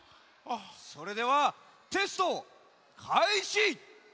それではテストかいし！